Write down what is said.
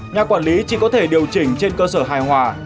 nhà quản lý chỉ có thể điều chỉnh trên cơ sở hài hòa